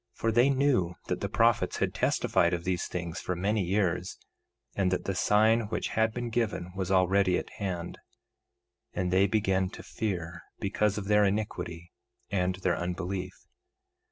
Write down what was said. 1:18 For they knew that the prophets had testified of these things for many years, and that the sign which had been given was already at hand; and they began to fear because of their iniquity and their unbelief.